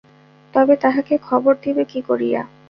তবে তাঁহাকে খবর দিবে কী করিয়া।